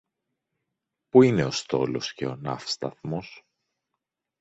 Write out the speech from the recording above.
Πού είναι ο στόλος και ο ναύσταθμος;